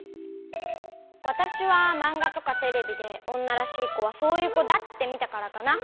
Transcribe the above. わたしはまんがとかテレビでおんならしいこはそういうこだってみたからかな。